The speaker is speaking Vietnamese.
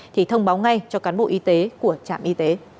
thì thông báo ngay cho cán bộ y tế của trạm y tế